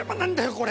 これ。